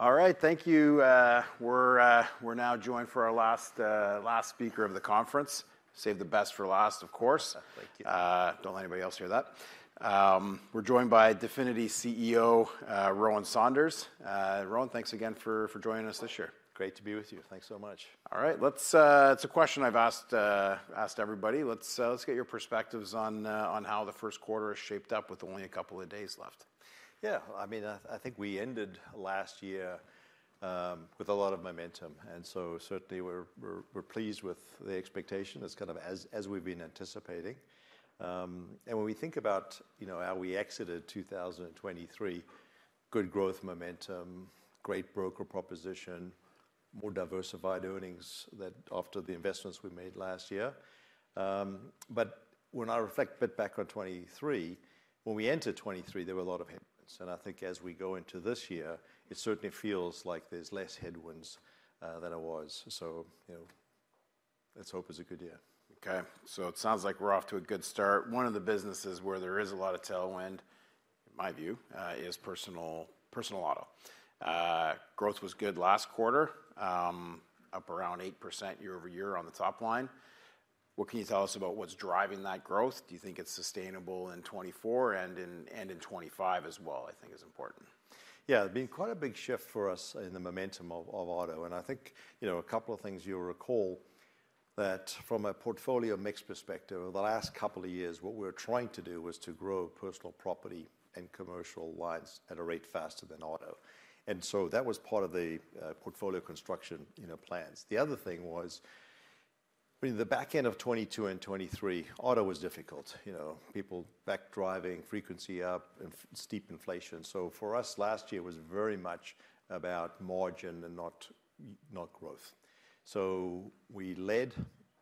All right, thank you. We're now joined for our last speaker of the conference. Saved the best for last, of course. Thank you. Don't let anybody else hear that. We're joined by Definity CEO, Rowan Saunders. Rowan, thanks again for joining us this year. Great to be with you. Thanks so much. All right, it's a question I've asked everybody. Let's get your perspectives on how the first quarter has shaped up with only a couple of days left. Yeah, I mean, I think we ended last year with a lot of momentum, and so certainly we're pleased with the expectation. It's kind of as we've been anticipating. And when we think about, you know, how we exited 2023, good growth momentum, great broker proposition, more diversified earnings that after the investments we made last year. But when I reflect a bit back on 2023, when we entered 2023, there were a lot of headwinds. And I think as we go into this year, it certainly feels like there's less headwinds than it was. So, you know, let's hope it's a good year. Okay. So it sounds like we're off to a good start. One of the businesses where there is a lot of tailwind, in my view, is personal, personal auto. Growth was good last quarter, up around 8% year-over-year on the top line. What can you tell us about what's driving that growth? Do you think it's sustainable in 2024 and in, and in 2025 as well, I think is important. Yeah, been quite a big shift for us in the momentum of auto, and I think, you know, a couple of things you'll recall that from a portfolio mix perspective, over the last couple of years, what we were trying to do was to grow personal property and commercial lines at a rate faster than auto. And so that was part of the portfolio construction, you know, plans. The other thing was in the back end of 2022 and 2023, auto was difficult. You know, people back driving, frequency up, and steep inflation. So for us, last year was very much about margin and not growth. So we led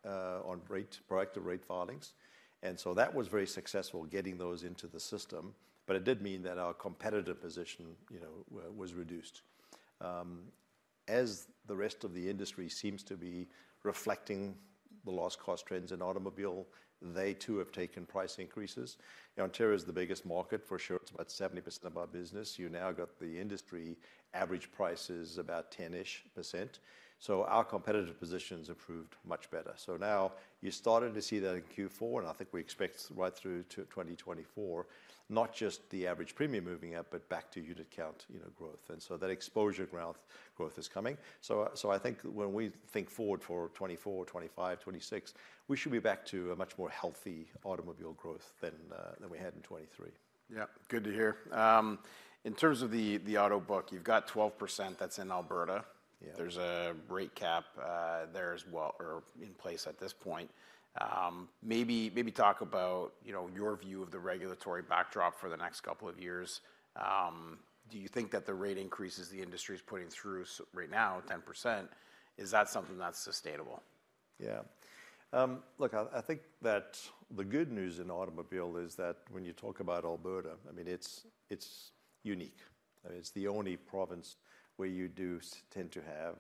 on rate, proactive rate filings, and so that was very successful getting those into the system, but it did mean that our competitive position, you know, was reduced. As the rest of the industry seems to be reflecting the loss cost trends in automobile, they too have taken price increases. You know, Ontario is the biggest market for sure. It's about 70% of our business. You now got the industry average price is about 10-ish%, so our competitive position's improved much better. So now you're starting to see that in Q4, and I think we expect right through to 2024, not just the average premium moving up, but back to unit count, you know, growth. And so that exposure growth, growth is coming. So I think when we think forward for 2024, 2025, 2026, we should be back to a much more healthy automobile growth than we had in 2023. Yeah, good to hear. In terms of the auto book, you've got 12% that's in Alberta. Yeah. There's a rate cap there as well or in place at this point. Maybe talk about, you know, your view of the regulatory backdrop for the next couple of years. Do you think that the rate increases the industry is putting through right now, 10%, is that something that's sustainable? Yeah. Look, I think that the good news in automobile is that when you talk about Alberta, I mean, it's unique. It's the only province where you do tend to have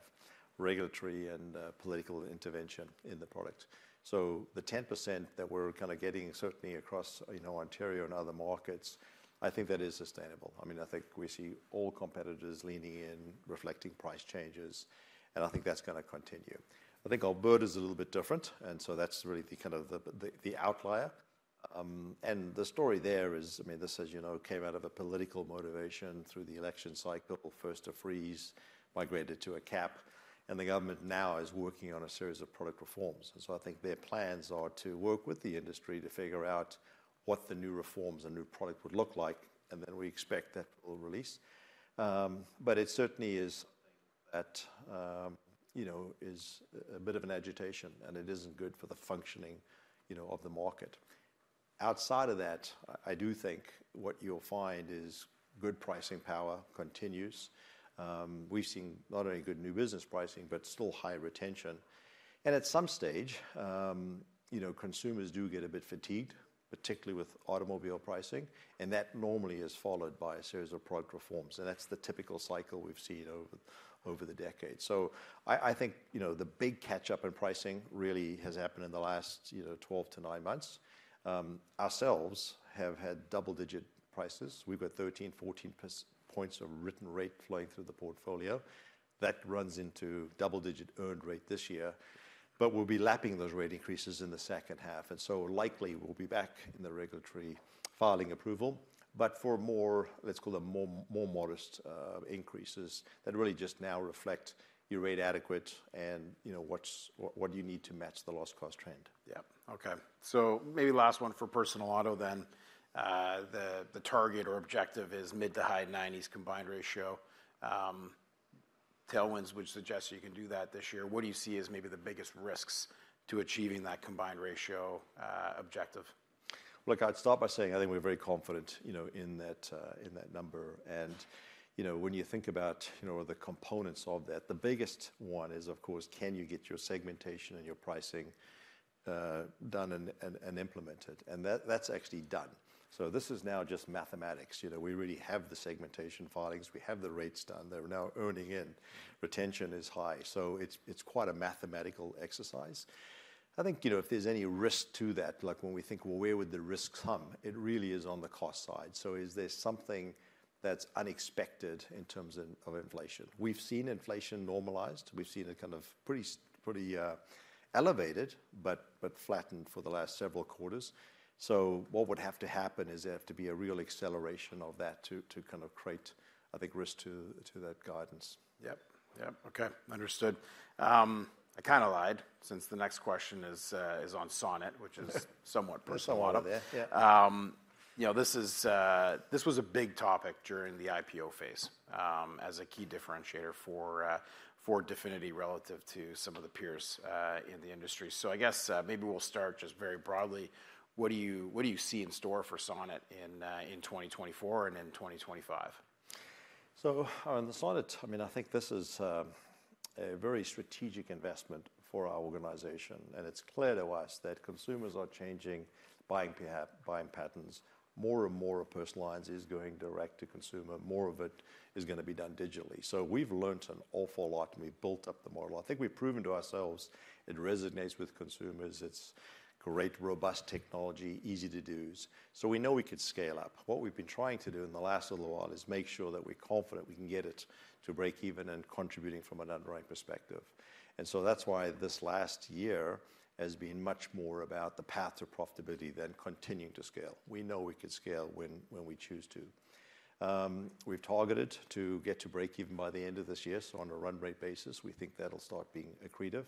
regulatory and political intervention in the product. So the 10% that we're kind of getting certainly across, you know, Ontario and other markets, I think that is sustainable. I mean, I think we see all competitors leaning in, reflecting price changes, and I think that's going to continue. I think Alberta's a little bit different, and so that's really the kind of the outlier. And the story there is, I mean, this, as you know, came out of a political motivation through the election cycle. First a freeze, migrated to a cap, and the government now is working on a series of product reforms. And so I think their plans are to work with the industry to figure out what the new reforms and new product would look like, and then we expect that it will release. But it certainly is something that, you know, is a bit of an agitation, and it isn't good for the functioning, you know, of the market. Outside of that, I do think what you'll find is good pricing power continues. We've seen not only good new business pricing, but still high retention and at some stage, you know, consumers do get a bit fatigued, particularly with automobile pricing, and that normally is followed by a series of product reforms, and that's the typical cycle we've seen over the decades. So I think, you know, the big catch-up in pricing really has happened in the last, you know, 12 to nine months. Ourselves have had double-digit prices. We've got 13, 14 percentage points of written rate flowing through the portfolio. That runs into double-digit earned rate this year, but we'll be lapping those rate increases in the second half, and so likely we'll be back in the regulatory filing approval. But for more, let's call it more modest increases, that really just now reflect your rate adequate and, you know, what do you need to match the loss cost trend. Yeah. Okay, so maybe last one for personal auto then. The target or objective is mid- to high-90s combined ratio. Tailwinds, which suggests you can do that this year. What do you see as maybe the biggest risks to achieving that combined ratio objective? Look, I'd start by saying I think we're very confident, you know, in that, in that number. And, you know, when you think about, you know, the components of that, the biggest one is, of course, can you get your segmentation and your pricing done and implemented? And that's actually done. So this is now just mathematics. You know, we really have the segmentation filings, we have the rates done. They're now earning in. Retention is high, so it's quite a mathematical exercise. I think, you know, if there's any risk to that, like when we think, well, where would the risk come? It really is on the cost side. So is there something that's unexpected in terms of inflation? We've seen inflation normalized. We've seen it kind of pretty elevated, but flattened for the last several quarters. What would have to happen is there'd have to be a real acceleration of that to kind of create, I think, risk to that guidance. Yep. Yep. Okay, understood. I kind of lied, since the next question is on Sonnet, which is somewhat personal. There's a lot of it. Yeah. You know, this is, this was a big topic during the IPO phase, as a key differentiator for Definity relative to some of the peers in the industry. So I guess, maybe we'll start just very broadly, what do you see in store for Sonnet in 2024 and in 2025? So on the Sonnet, I mean, I think this is a very strategic investment for our organization, and it's clear to us that consumers are changing buying patterns. More and more of personal lines is going direct to consumer. More of it is going to be done digitally. So we've learned an awful lot, and we've built up the model. I think we've proven to ourselves it resonates with consumers. It's great, robust technology, easy to use. So we know we can scale up. What we've been trying to do in the last little while is make sure that we're confident we can get it to break even and contributing from an underwriting perspective. And so that's why this last year has been much more about the path to profitability than continuing to scale. We know we can scale when we choose to. We've targeted to get to break even by the end of this year. So on a run rate basis, we think that'll start being accretive,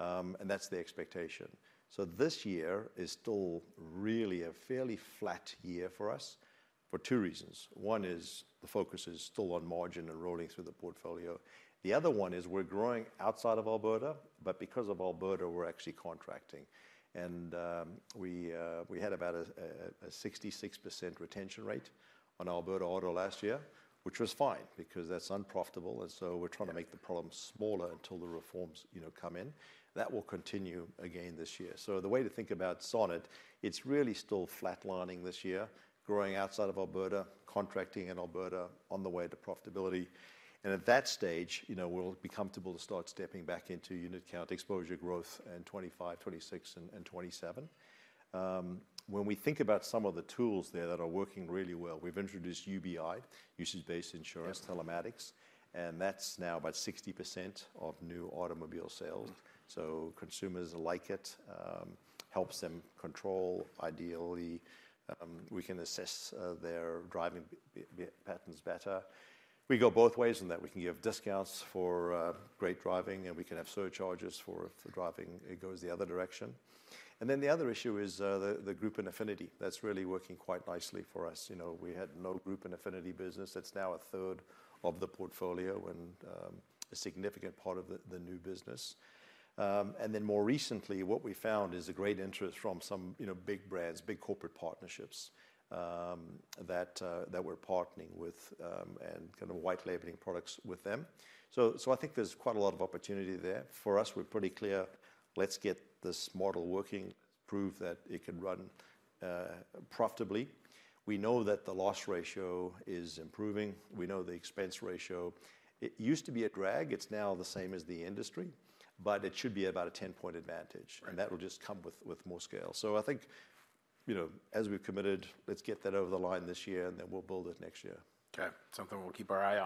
and that's the expectation. So this year is still really a fairly flat year for us, for two reasons. One is the focus is still on margin and rolling through the portfolio. The other one is we're growing outside of Alberta, but because of Alberta, we're actually contracting and we had about a 66% retention rate on Alberta auto last year, which was fine because that's unprofitable, and so we're trying to make the problem smaller until the reforms, you know, come in. That will continue again this year. So the way to think about Sonnet, it's really still flatlining this year, growing outside of Alberta, contracting in Alberta on the way to profitability. And at that stage, you know, we'll be comfortable to start stepping back into unit count exposure growth in 2025, 2026, and 2027. When we think about some of the tools there that are working really well, we've introduced UBI, usage-based insurance-telematics, and that's now about 60% of new automobile sales. So consumers like it. Helps them control. Ideally, we can assess their driving patterns better. We go both ways in that we can give discounts for great driving, and we can have surcharges for if the driving, it goes the other direction and then the other issue is the group and affinity. That's really working quite nicely for us. You know, we had no group and affinity business. It's now a third of the portfolio and a significant part of the new business. And then more recently, what we found is a great interest from some, you know, big brands, big corporate partnerships that we're partnering with and kind of white labeling products with them. So I think there's quite a lot of opportunity there. For us, we're pretty clear, let's get this model working, prove that it can run, profitably. We know that the loss ratio is improving. We know the expense ratio. It used to be a drag, it's now the same as the industry, but it should be about a 10-point advantage. That will just come with more scale. So I think, you know, as we've committed, let's get that over the line this year, and then we'll build it next year. Okay. Something we'll keep our eye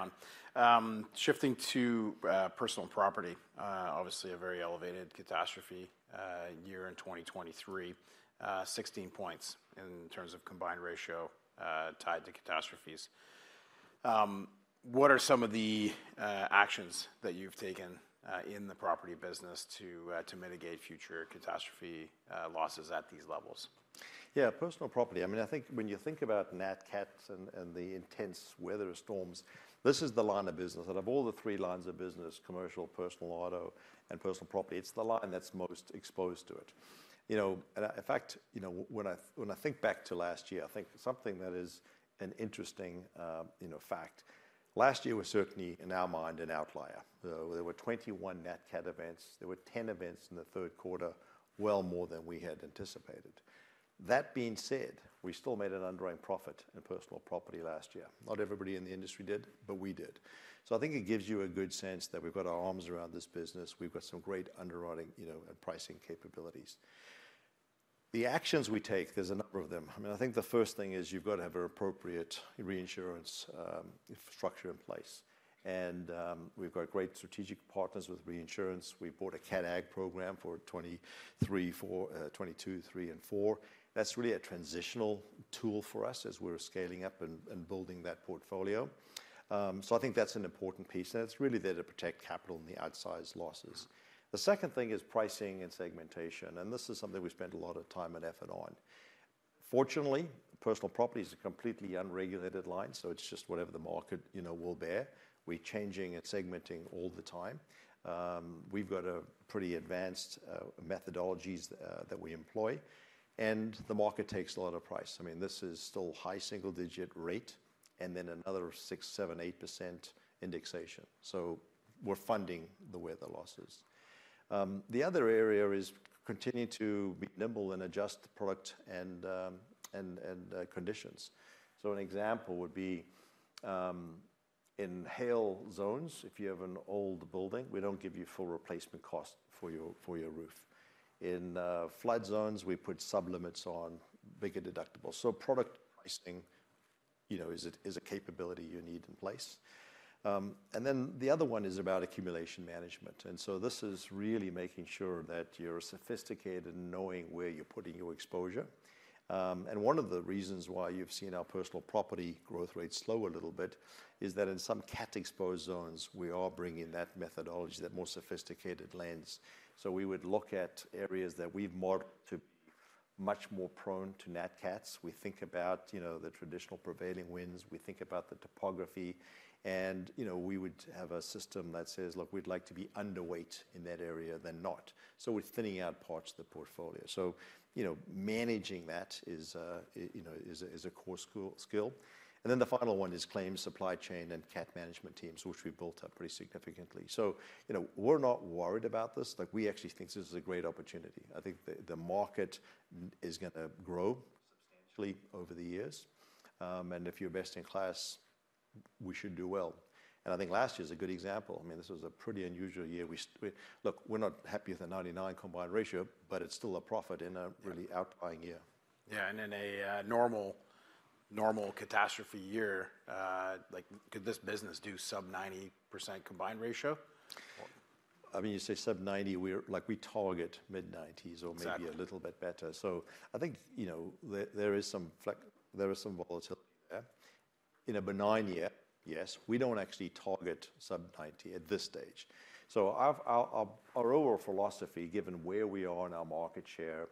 on. Shifting to personal property. Obviously a very elevated catastrophe year in 2023, 16 points in terms of combined ratio tied to catastrophes. What are some of the actions that you've taken in the property business to mitigate future catastrophe losses at these levels? Yeah, personal property. I mean, I think when you think about Nat Cats and the intense weather storms, this is the line of business, out of all the three lines of business, commercial, personal auto, and personal property, it's the line that's most exposed to it. You know, and in fact, you know, when I think back to last year, I think something that is an interesting, you know, fact, last year was certainly, in our mind, an outlier. There were 21 Nat Cat events. There were 10 events in the third quarter, well more than we had anticipated. That being said, we still made an underwriting profit in personal property last year. Not everybody in the industry did, but we did. So I think it gives you a good sense that we've got our arms around this business. We've got some great underwriting, you know, and pricing capabilities. The actions we take, there's a number of them. I mean, I think the first thing is you've got to have an appropriate reinsurance structure in place, and we've got great strategic partners with reinsurance. We bought a Cat Agg program for 2022, 2023 and 2024. That's really a transitional tool for us as we're scaling up and building that portfolio. So I think that's an important piece, and it's really there to protect capital and the outsized losses. The second thing is pricing and segmentation, and this is something we spent a lot of time and effort on. Fortunately, personal property is a completely unregulated line, so it's just whatever the market, you know, will bear. We're changing and segmenting all the time. We've got a pretty advanced methodologies that we employ, and the market takes a lot of price. I mean, this is still high single digit rate and then another 6%-8% indexation. So we're funding the weather losses. The other area is continuing to be nimble and adjust the product and conditions. So an example would be in hail zones, if you have an old building, we don't give you full replacement cost for your roof. In flood zones, we put sub limits on bigger deductibles. So product pricing, you know, is a capability you need in place. And then the other one is about accumulation management, and so this is really making sure that you're sophisticated in knowing where you're putting your exposure. And one of the reasons why you've seen our personal property growth rate slow a little bit, is that in some cat-exposed zones, we are bringing that methodology, that more sophisticated lens. So we would look at areas that we've marked to much more prone to Nat Cats. We think about, you know, the traditional prevailing winds, we think about the topography, and, you know, we would have a system that says, "Look, we'd like to be underweight in that area than not." So we're thinning out parts of the portfolio. So, you know, managing that is, you know, a core skill. And then the final one is claims, supply chain, and cat management teams, which we built up pretty significantly. So, you know, we're not worried about this, like, we actually think this is a great opportunity. I think the market is going to grow substantially over the years. And if you're best in class, we should do well and I think last year's a good example. I mean, this was a pretty unusual year. Look, we're not happy with the 99 combined ratio, but it's still a profit in a really outlying year. Yeah, and in a normal catastrophe year, like, could this business do sub-90% combined ratio? I mean, you say sub-90%, we're—like, we target mid-90s- Exactly.... or maybe a little bit better. So I think, you know, there is some volatility there. In a benign year, yes. We don't actually target sub-90% at this stage. So our overall philosophy, given where we are in our market share,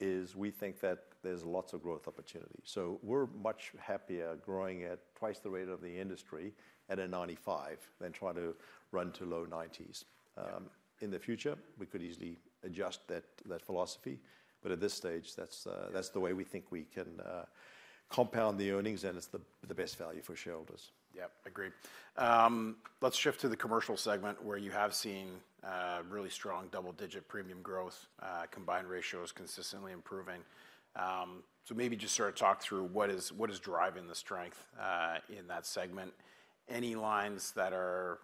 is we think that there's lots of growth opportunities. So we're much happier growing at twice the rate of the industry at a 95% than try to run to low 90s. In the future, we could easily adjust that philosophy, but at this stage, that's the way we think we can compound the earnings, and it's the best value for shareholders. Yep, agreed. Let's shift to the commercial segment, where you have seen really strong double-digit premium growth, combined ratios consistently improving. Maybe just sort of talk through what is driving the strength in that segment. Any lines that are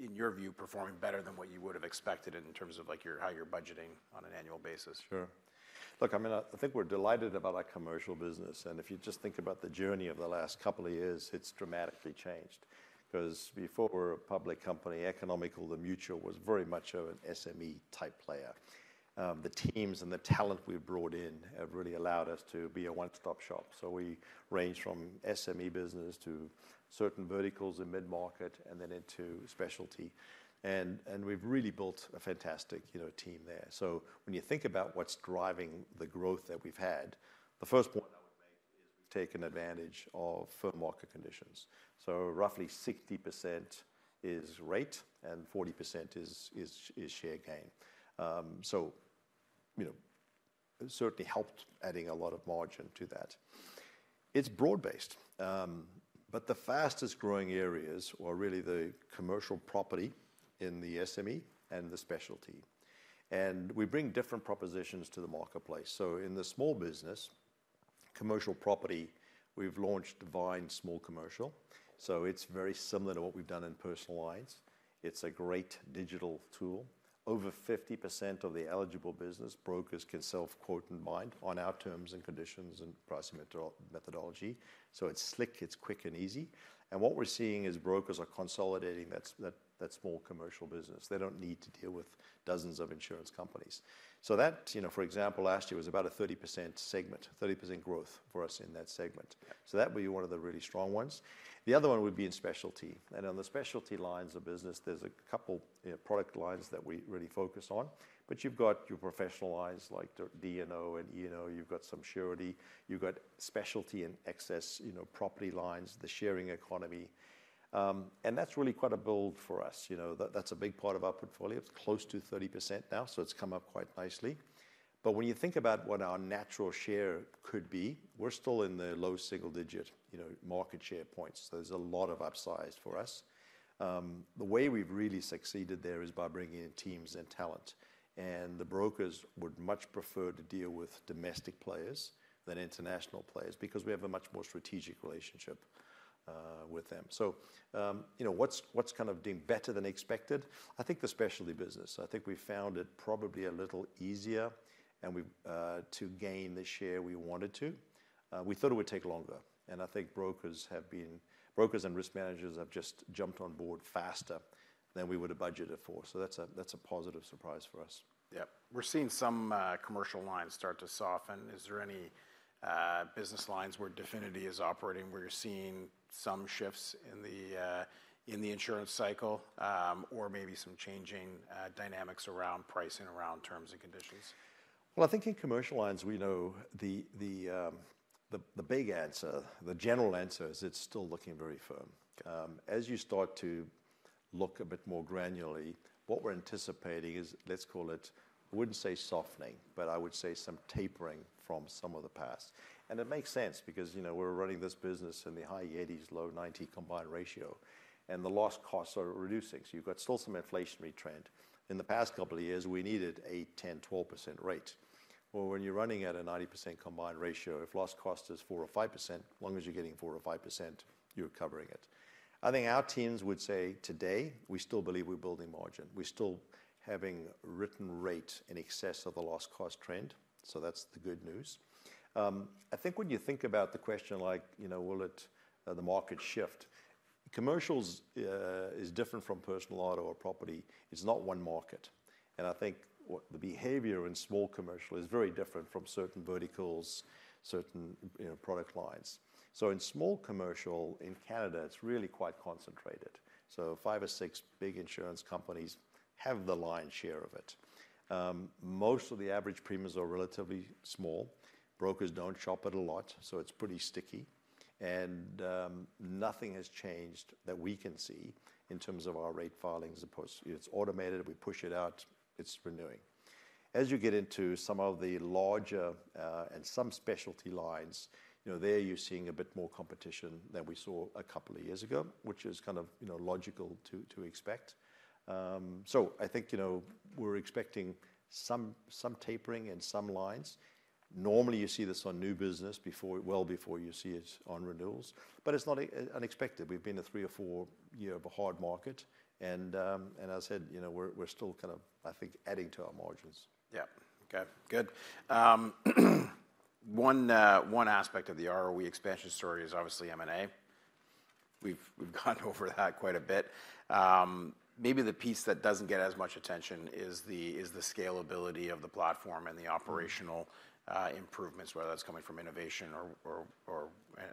in your view, performing better than what you would have expected in terms of, like, how you're budgeting on an annual basis? Sure. Look, I mean, I think we're delighted about our commercial business, and if you just think about the journey of the last couple of years, it's dramatically changed. because before we were a public company, Economical, the Mutual was very much of an SME-type player. The teams and the talent we've brought in have really allowed us to be a one-stop shop. So we range from SME business to certain verticals in mid-market, and then into specialty and we've really built a fantastic, you know, team there. So when you think about what's driving the growth that we've had, the first point I would make is we've taken advantage of firm market conditions. So roughly 60% is rate, and 40% is share gain. So, you know, it certainly helped adding a lot of margin to that. It's broad-based, but the fastest growing areas are really the commercial property in the SME and the specialty, and we bring different propositions to the marketplace. So in the small business, commercial property, we've launched Vyne Small Commercial, so it's very similar to what we've done in personal lines. It's a great digital tool. Over 50% of the eligible business brokers can self-quote and bind on our terms and conditions and pricing methodology. So it's slick, it's quick and easy. And what we're seeing is brokers are consolidating that small commercial business. They don't need to deal with dozens of insurance companies. So that, you know, for example, last year was about a 30% segment, 30% growth for us in that segment. Yeah. So that would be one of the really strong ones. The other one would be in specialty, and on the specialty lines of business, there's a couple, you know, product lines that we really focus on. But you've got your professional lines, like D&O and E&O, you've got some surety, you've got specialty and excess, you know, property lines, the sharing economy. And that's really quite a build for us. You know, that's a big part of our portfolio. It's close to 30% now, so it's come up quite nicely. But when you think about what our natural share could be, we're still in the low single digit, you know, market share points. There's a lot of upsides for us. The way we've really succeeded there is by bringing in teams and talent, and the brokers would much prefer to deal with domestic players than international players, because we have a much more strategic relationship with them. So, you know, what's kind of doing better than expected? I think the specialty business. I think we found it probably a little easier, and we've to gain the share we wanted to. We thought it would take longer, and I think brokers and risk managers have just jumped on board faster than we would have budgeted for. So that's a positive surprise for us. Yep. We're seeing some commercial lines start to soften. Is there any business lines where Definity is operating, where you're seeing some shifts in the insurance cycle? Or maybe some changing dynamics around pricing, around terms and conditions? Well, I think in commercial lines, we know the big answer, the general answer is it's still looking very firm. As you start to look a bit more granularly, what we're anticipating is, let's call it, I wouldn't say softening, but I would say some tapering from some of the past. And it makes sense because, you know, we're running this business in the high 80s, low 90 combined ratio, and the loss costs are reducing. So you've got still some inflationary trend. In the past couple of years, we needed eight, 10, 12% rate. Well, when you're running at a 90% combined ratio, if loss cost is four or 5%, as long as you're getting four or 5%, you're covering it. I think our teams would say today we still believe we're building margin. We're still having written rate in excess of the loss cost trend, so that's the good news. I think when you think about the question, like, you know, will it, the market shift? Commercials is different from personal auto or property. It's not one market. And I think what the behavior in small commercial is very different from certain verticals, certain, you know, product lines. So in small commercial in Canada, it's really quite concentrated. So five or six big insurance companies have the lion's share of it. Most of the average premiums are relatively small. Brokers don't shop it a lot, so it's pretty sticky, and, nothing has changed that we can see in terms of our rate filings as opposed to it's automated, we push it out, it's renewing. As you get into some of the larger and some specialty lines, you know, there you're seeing a bit more competition than we saw a couple of years ago, which is kind of, you know, logical to expect. So I think, you know, we're expecting some tapering in some lines. Normally, you see this on new business before, well before you see it on renewals, but it's not an unexpected. We've been a three or four-year of a hard market and as I said, you know, we're still kind of, I think, adding to our margins. Yeah. Okay, good. One aspect of the ROE expansion story is obviously M&A. We've gone over that quite a bit. Maybe the piece that doesn't get as much attention is the scalability of the platform and the- Mm-hmm... operational improvements, whether that's coming from innovation or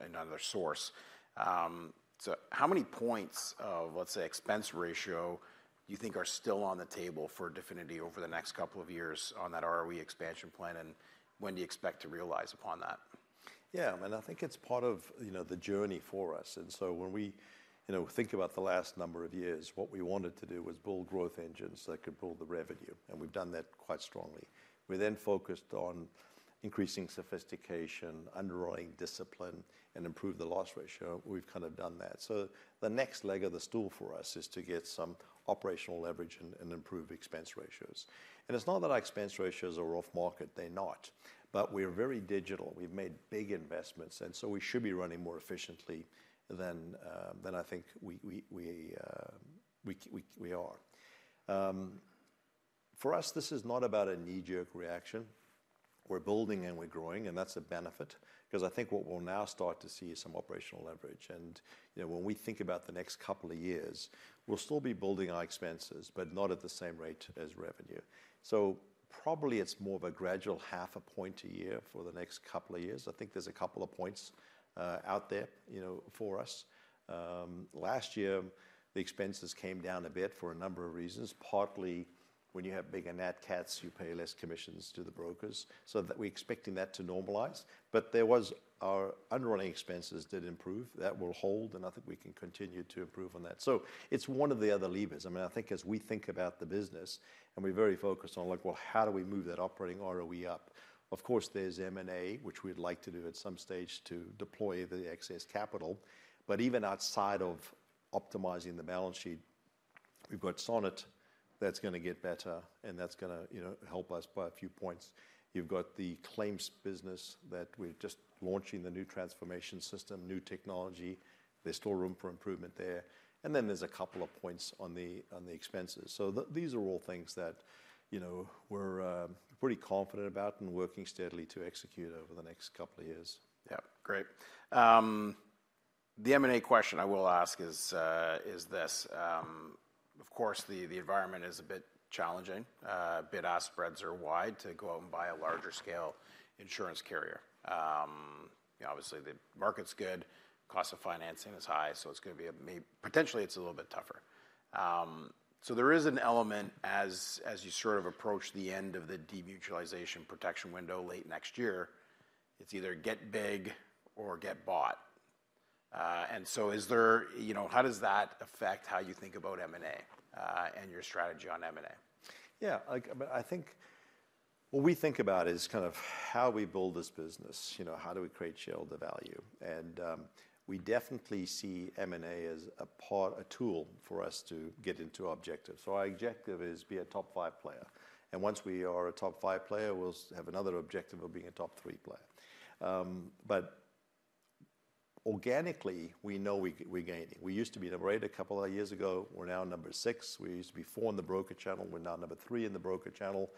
another source. So how many points of, let's say, expense ratio do you think are still on the table for Definity over the next couple of years on that ROE expansion plan, and when do you expect to realize upon that? Yeah, I mean, I think it's part of, you know, the journey for us. And so when we, you know, think about the last number of years, what we wanted to do was build growth engines that could build the revenue, and we've done that quite strongly. We then focused on increasing sophistication, underwriting discipline, and improve the loss ratio. We've kind of done that. So the next leg of the stool for us is to get some operational leverage and improve expense ratios and it's not that our expense ratios are off market, they're not, but we're very digital. We've made big investments, and so we should be running more efficiently than I think we are. For us, this is not about a knee-jerk reaction. We're building and we're growing, and that's a benefit, because I think what we'll now start to see is some operational leverage. You know, when we think about the next couple of years, we'll still be building our expenses, but not at the same rate as revenue. So probably it's more of a gradual half a point a year for the next couple of years. I think there's a couple of points out there, you know, for us. Last year, the expenses came down a bit for a number of reasons. Partly, when you have bigger Nat Cats, you pay less commissions to the brokers, so that we're expecting that to normalize. But there was, our underwriting expenses did improve. That will hold, and I think we can continue to improve on that. So it's one of the other levers. I mean, I think as we think about the business and we're very focused on, like, well, how do we move that operating ROE up? Of course, there's M&A, which we'd like to do at some stage to deploy the excess capital, but even outside of optimizing the balance sheet, we've got Sonnet, that's going to get better, and that's going to, you know, help us by a few points. You've got the claims business that we're just launching the new transformation system, new technology. There's still room for improvement there, and then there's a couple of points on the expenses. So these are all things that, you know, we're pretty confident about and working steadily to execute over the next couple of years. Yeah, great. The M&A question I will ask is this: of course, the environment is a bit challenging. Bid-ask spreads are wide to go out and buy a larger scale insurance carrier. Obviously, the market's good, cost of financing is high, so it's going to be a potentially it's a little bit tougher. So there is an element as you sort of approach the end of the demutualization protection window late next year, it's either get big or get bought. And so is there, you know, how does that affect how you think about M&A, and your strategy on M&A? Yeah, like, but I think what we think about is kind of how we build this business. You know, how do we create shareholder value? And, we definitely see M&A as a part, a tool for us to get into our objectives. So our objective is be a top five player, and once we are a top five player, we'll have another objective of being a top three player. But organically, we know we, we're gaining. We used to be number 8 a couple of years ago, we're now number six. We used to be four in the broker channel, we're now number three in the broker channel,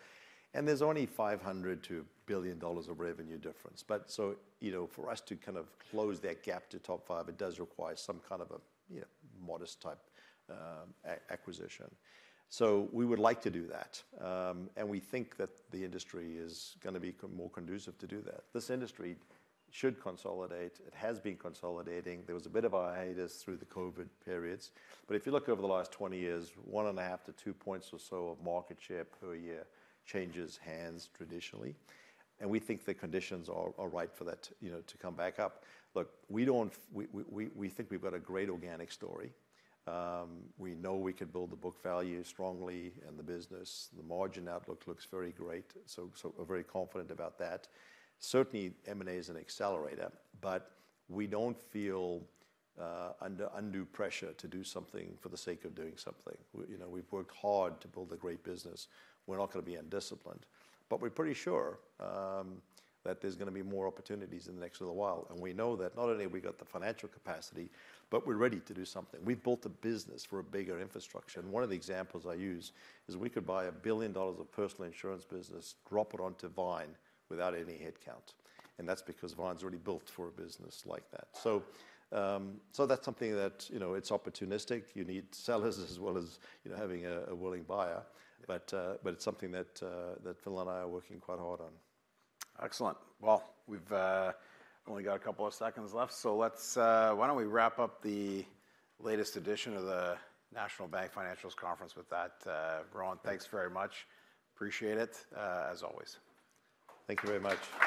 and there's only 500 million-1 billion dollars of revenue difference. But so, you know, for us to kind of close that gap to top five, it does require some kind of a, you know, modest type acquisition. So we would like to do that. And we think that the industry is going to be more conducive to do that. This industry should consolidate. It has been consolidating. There was a bit of a hiatus through the COVID periods, but if you look over the last 20 years, one and half to two points or so of market share per year changes hands traditionally, and we think the conditions are ripe for that, you know, to come back up. Look, we don't—we think we've got a great organic story. We know we can build the book value strongly and the business, the margin outlook looks very great, so we're very confident about that. Certainly, M&A is an accelerator, but we don't feel under undue pressure to do something for the sake of doing something. We, you know, we've worked hard to build a great business. We're not going to be undisciplined. But we're pretty sure that there's going to be more opportunities in the next little while, and we know that not only have we got the financial capacity, but we're ready to do something. We've built a business for a bigger infrastructure, and one of the examples I use is we could buy 1 billion dollars of personal insurance business, drop it onto Vyne without any headcount, and that's because Vyne's already built for a business like that. So, so that's something that, you know, it's opportunistic. You need sellers as well as, you know, having a willing buyer. But, but it's something that that Phil and I are working quite hard on. Excellent. Well, we've only got a couple of seconds left, so let's... Why don't we wrap up the latest edition of the National Bank Financial Conference with that, Rowan? Thanks very much. Appreciate it, as always. Thank you very much.